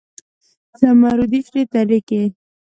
زمرودو شنې درې کې